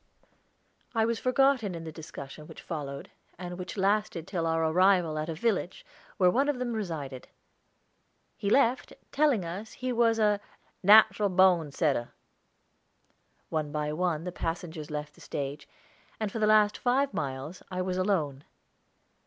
I was forgotten in the discussion which followed, and which lasted till our arrival at a village, where one of them resided. He left, telling us he was a "natral bone setter." One by one the passengers left the stage, and for the last five miles I was alone.